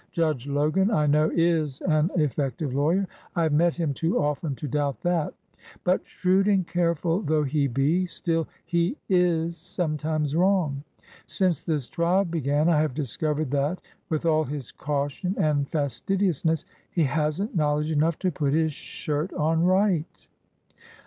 Judge Logan, I know, is an effective lawyer. I have met him too often to doubt that; but shrewd and careful though he be, still, he is sometimes wrong. Since this trial began I have discovered that, with all his caution and fastidiousness, he has n't knowledge enough to put his shirt on right."